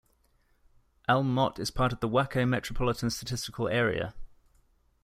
Elm Mott is part of the Waco Metropolitan Statistical Area.